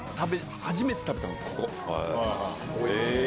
初めて食べたのここ。